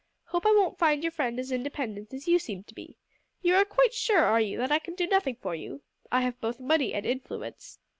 Hope I won't find your friend as independent as you seem to be! You are quite sure, are you, that I can do nothing for you? I have both money and influence."